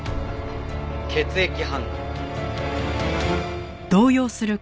血液反応。